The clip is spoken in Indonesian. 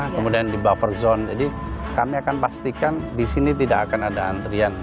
kemudian di buffer zone jadi kami akan pastikan di sini tidak akan ada antrian